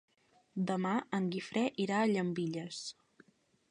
Demà en Guifré irà a Llambilles.